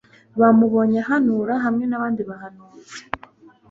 bamubonye ahanura hamwe n'abandi bahanuzi